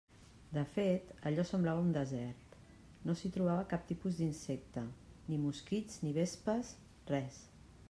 De fet, allò semblava un desert: no s'hi trobava cap tipus d'insecte, ni mosquits, ni vespes, res!